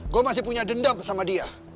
gue masih punya dendam sama dia